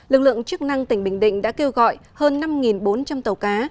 lực lượng chức năng tỉnh bình định đã kêu gọi hơn năm bốn trăm linh tàu cá